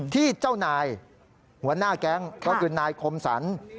ที่เจ้านายหัวหน้าแก๊งก็คือนายคมสรร